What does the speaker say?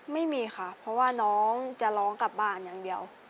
ไม่มีค่ะเพราะว่าน้องจะร้องกลับบ้านอย่างเดียว